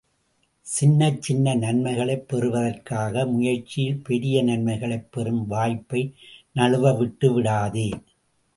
சின்னச்சின்ன நன்மைகளைப் பெறுவதற்காக, முயற்சியில் பெரிய நன்மைகளைப் பெறும் வாய்ப்பை நழுவ விட்டு விடாதே!